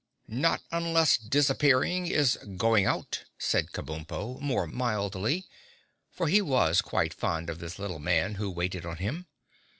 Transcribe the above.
"Not unless disappearing is going out," said Kabumpo more mildly, for he was quite fond of this little man who waited on him.